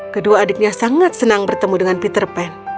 kedua adiknya sangat senang bertemu dengan peter pan